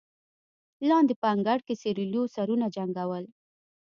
لاندې په انګړ کې سېرليو سرونه جنګول.